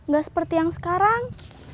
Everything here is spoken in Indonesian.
gak seperti yang sekarang